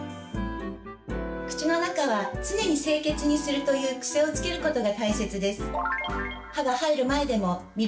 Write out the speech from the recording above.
「口の中は常に清潔にする」という癖をつけることが大切です。